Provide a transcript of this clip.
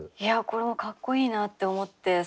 これもかっこいいなって思って。